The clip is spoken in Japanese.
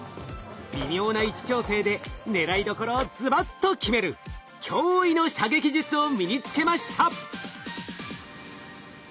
微妙な位置調整で狙いどころをズバッと決める驚異の射撃術を身につけました。